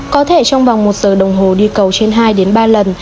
có thể trong vòng một giờ đồng hồ đi cầu trên hai đến ba lần